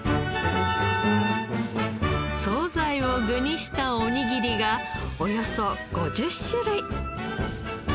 惣菜を具にしたおにぎりがおよそ５０種類。